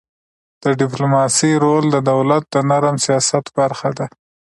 د ډيپلوماسی رول د دولت د نرم سیاست برخه ده.